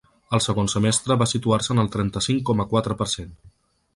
El segon semestre va situar-se en el trenta-cinc coma quatre per cent.